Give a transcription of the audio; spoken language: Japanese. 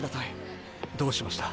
どうしました？